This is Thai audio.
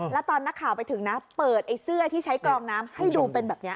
แล้วตอนนักข่าวไปถึงนะเปิดไอ้เสื้อที่ใช้กรองน้ำให้ดูเป็นแบบนี้